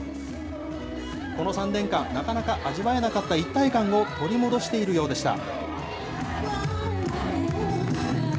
この３年間、なかなか味わえなかった一体感を取り戻しているようでした。